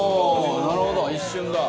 なるほど一瞬だ。